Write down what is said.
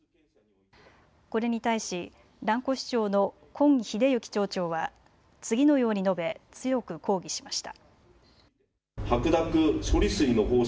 これに対し蘭越町の金秀行町長は次のように述べ強く抗議しました。